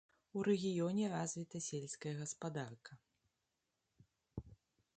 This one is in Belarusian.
У рэгіёне развіта сельская гаспадарка.